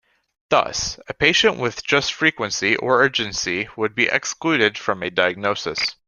Thus, a patient with just frequency or urgency would be excluded from a diagnosis.